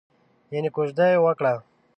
یانې کوژده یې وکړه؟